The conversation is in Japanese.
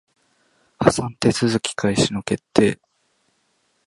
破産手続開始の決定